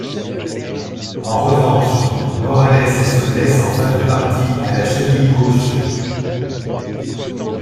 En revanche, Morales se blesse en fin de partie à la cheville gauche.